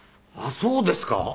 ああそうですか？